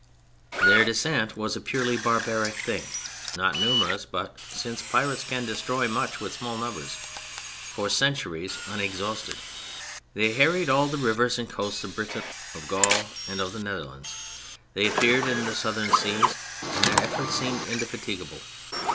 Their descent was a purely barbaric thing, not numerous but (since pirates can destroy much with small numbers) for centuries unexhausted. They harried all the rivers and coasts of Britain, of Gaul, and of the Netherlands. They appeared in the Southern seas and their efforts seemed indefatigable.